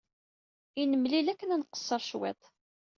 I nemlil akken ad nqeṣṣer cwiṭ.